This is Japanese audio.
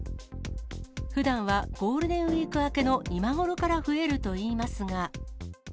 ふだんはゴールデンウィーク明けの今頃から増えるといいますが。